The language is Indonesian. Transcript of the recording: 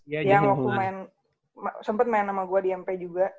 yang waktu main sempat main sama gue di mp juga